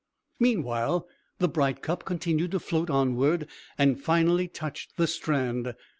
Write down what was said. Meanwhile, the bright cup continued to float onward, and finally touched the strand.